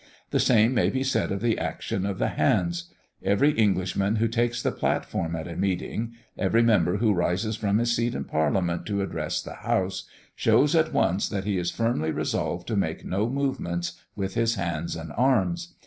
The same may be said of the action of the hands. Every Englishman who takes the platform at a meeting, every member who rises from his seat in Parliament to address the House, shows at once that he is firmly resolved to make no movements with his hands and arms.